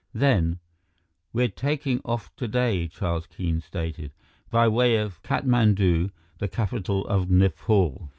Then: "We're taking off today," Charles Keene stated, "by way of Katmandu, the capital of Nepal.